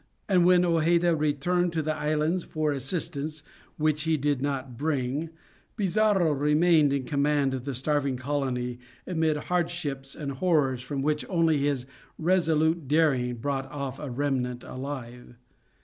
And when Ojeda returned to the islands for assistance, which he did not bring, Pizarro remained in command of the starving colony, amid hardships and horrors from which only his resolute daring brought off a remnant alive.